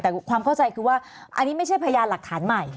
แต่ความเข้าใจคือว่าอันนี้ไม่ใช่พยานหลักฐานใหม่